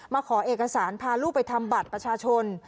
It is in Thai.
ขอเอกสารพาลูกไปทำบัตรประชาชน